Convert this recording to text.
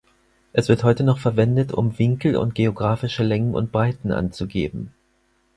Es wird heute noch verwendet, um Winkel und geografische Längen und Breiten anzugeben.